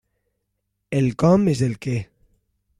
El com és el què.